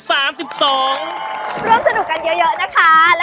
ร่วมสนุกกันเยอะนะคะ